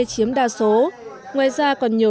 chiếm đa số ngoài ra còn nhiều